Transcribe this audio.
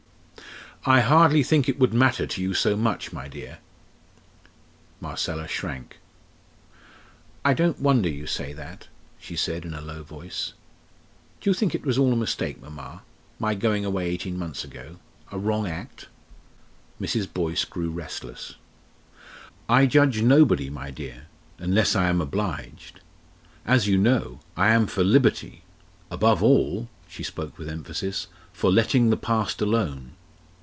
"I hardly think it would matter to you so much, my dear." Marcella shrank. "I don't wonder you say that!" she said in a low voice. "Do you think it was all a mistake, mamma, my going away eighteen months ago a wrong act?" Mrs. Boyce grew restless. "I judge nobody, my dear! unless I am obliged. As you know, I am for liberty above all" she spoke with emphasis "for letting the past alone.